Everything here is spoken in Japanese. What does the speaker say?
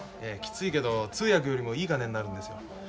きついけど通訳よりもいい金になるんですよ。